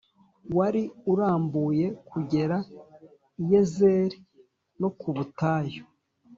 wari urambuye kugera i Yezeri no ku butayu,